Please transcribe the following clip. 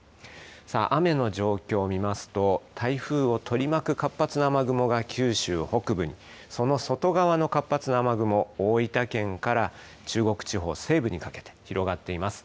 さあ、雨の状況を見ますと、台風を取り巻く活発な雨雲が九州北部に、その外側の活発な雨雲、大分県から中国地方西部にかけて広がっています。